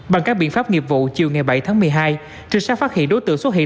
bằng các biện pháp nghiệp vụ chiều ngày bảy tháng một mươi hai trinh sát phát hiện đối tượng xuất hiện